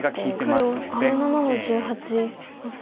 黒１７の十八オサエ。